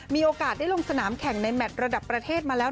มีโอกาสได้ลงสนามแข่งในแมทระดับประเทศมาแล้ว